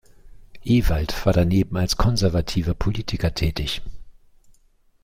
Ewald war daneben als konservativer Politiker tätig.